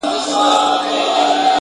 o خداى دي زما د ژوندون ساز جوړ كه،